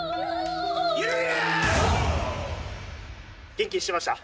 元気にしてました？